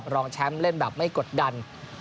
รองแชมป์เล่นแบบไม่กดดัน